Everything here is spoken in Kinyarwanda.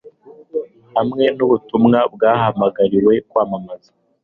hamwe nubutumwa mwahamagariwe kwamamaza